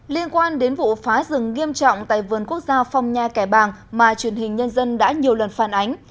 liên quan đến vụ phá rừng nghiêm trọng tại vườn quốc gia phong nha kẻ bàng mà truyền hình nhân dân đã nhiều lần phản ánh